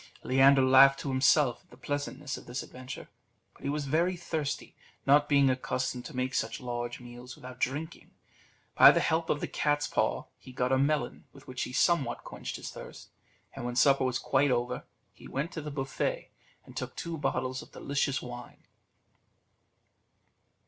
Leander laughed to himself at the pleasantness of this adventure; but he was very thirsty, not being accustomed to make such large meals without drinking. By the help of the cat's paw, he got a melon, with which he somewhat quenched his thirst; and when supper was quite over, he went to the beaufet, and took two bottles of delicious wine.